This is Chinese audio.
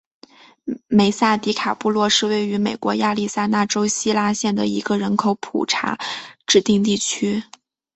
梅萨迪卡布洛是位于美国亚利桑那州希拉县的一个人口普查指定地区。